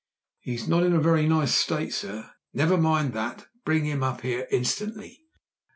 "He's not in a very nice state, sir." "Never mind that. Bring him up here, instantly!"